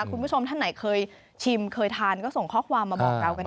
คุณผู้ชมถ้าไหนเคยชิมเคยทานก็ส่งข้อความมาบอกเราได้เหมือนกันนะ